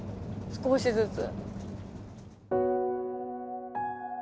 少しずつ。